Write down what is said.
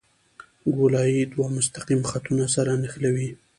ګولایي دوه مستقیم خطونه سره نښلوي